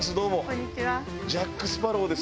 こんにちは。